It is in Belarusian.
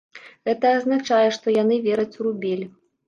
Гэта азначае, што яны вераць у рубель.